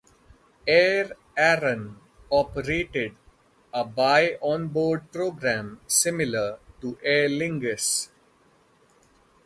Aer Arann operated a buy on board programme similar to Aer Lingus.